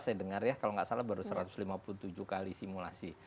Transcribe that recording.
saya dengar ya kalau nggak salah baru satu ratus lima puluh tujuh kali simulasi